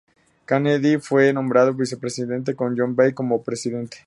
Kennedy fue nombrado vicepresidente, con John Ball como presidente.